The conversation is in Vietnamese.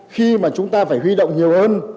khi mà chúng ta phải huy động nhiều hơn